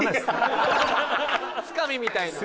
つかみみたいな？